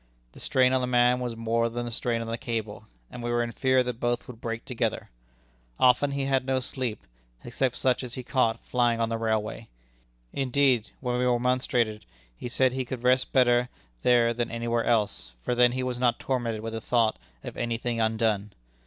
The strain on the man was more than the strain on the cable, and we were in fear that both would break together. Often he had no sleep, except such as he caught flying on the railway. Indeed, when we remonstrated, he said he could rest better there than anywhere else, for then he was not tormented with the thought of any thing undone.